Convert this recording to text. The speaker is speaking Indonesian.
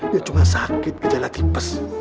dia cuma sakit ke jalan tipis